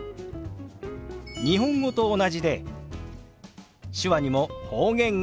日本語と同じで手話にも方言があるんですよ。